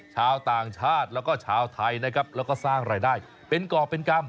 ชาวต่างชาติแล้วก็ชาวไทยนะครับแล้วก็สร้างรายได้เป็นก่อเป็นกรรม